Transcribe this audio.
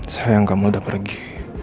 sayang kamu udah pergi